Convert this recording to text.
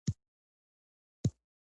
عاید ترلاسه شو.